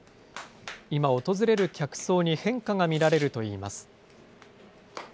今、訪れる客層に変化が見られるといいます。